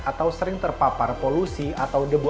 atau sering terpapar polusi atau debu